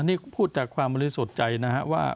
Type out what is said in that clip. นี่พูดจากความรู้สุดใจนะครับว่า